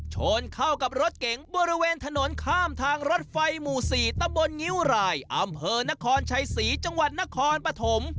ชนเข้ากับรถเก๋งบริเวณถนนข้ามทางรถไฟหมู่๔ตำบลงิ้วรายอำเภอนครชัยศรีจังหวัดนครปฐม